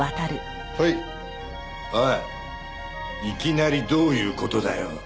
いきなりどういう事だよ？